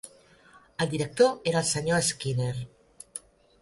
El director era el senyor Skinner.